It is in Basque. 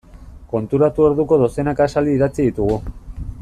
Konturatu orduko dozenaka esaldi idatzi ditugu.